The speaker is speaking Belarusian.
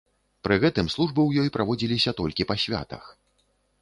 Пры гэтым службы ў ёй праводзіліся толькі па святах.